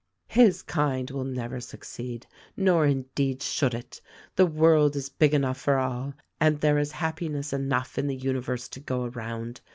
His kind will never succeed — nor indeed should it; the world is big enough for THE RECORDING ANGEL 285 all, and there is happiness enough in the universe to go around.